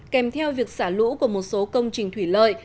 kèm theo việc xả lũ của một số công trình thủy lợi